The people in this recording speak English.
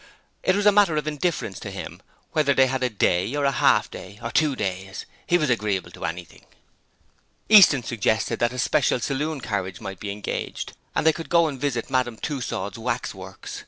It was a matter of indifference to him whether they had a day, or half a day, or two days; he was agreeable to anything. Easton suggested that a special saloon carriage might be engaged, and they could go and visit Madame Tussaud's Waxworks.